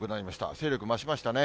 勢力増しましたね。